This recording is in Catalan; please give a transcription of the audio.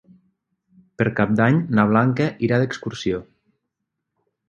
Per Cap d'Any na Blanca irà d'excursió.